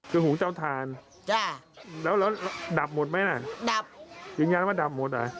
คือหุงเจ้าทานแล้วดับหมดไหมนะยังยังว่าดับหมดเหรอ